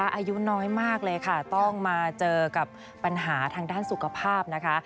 อายุน้อยมากเลยค่ะต้องมาเจอกับปัญหาทางด้านสุขภาพนะคะ